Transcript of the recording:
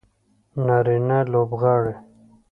نارینه لوبغاړي